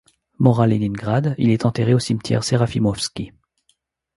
Mort à Léningrad, il est enterré au cimetière Serafimovski.